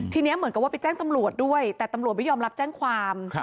ทีนี้เหมือนกับว่าไปแจ้งตำรวจด้วยแต่ตำรวจไม่ยอมรับแจ้งความ